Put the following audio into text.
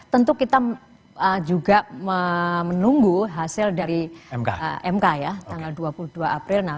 tentu kita juga menunggu hasil dari mk ya tanggal dua puluh dua april